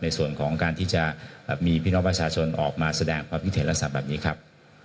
ในส่วนของการที่จะแบบมีพี่น้องประชาชนออกมาแสดงความพิเศษรัฐศาสตร์แบบนี้ครับ